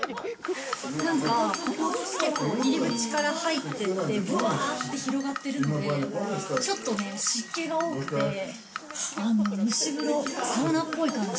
なんか、結構、入り口から入っていって、ブワァって広がってるので、ちょっと湿気が多くて、蒸し風呂、サウナっぽい感じ。